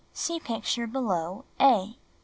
(See picture below — A.)